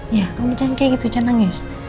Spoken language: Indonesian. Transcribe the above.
iya kamu jangan kayak gitu jangan nangis